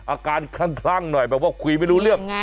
อาการคลั่งหน่อยแบบว่าคุยไม่รู้เรื่อง